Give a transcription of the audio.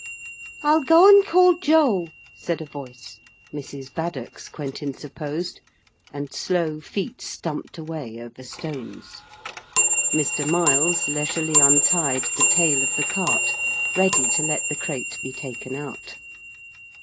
'I'll go and call Joe,' said a voice Mrs. Baddock's, Quentin supposed, and slow feet stumped away over stones. Mr. Miles leisurely untied the tail of the cart, ready to let the crate be taken out.